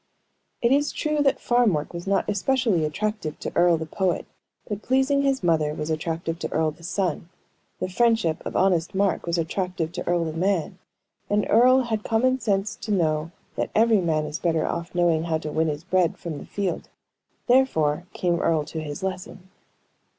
It is true that farm work was not especially attractive to Earle the poet, but pleasing his mother was attractive to Earle the son; the friendship of honest Mark was attractive to Earle the man; and Earle had common sense to know that every man is better off for knowing how to win his bread from the field. Therefore, came Earle to his lesson.